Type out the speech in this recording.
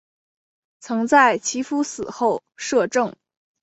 曾在其夫死后摄政。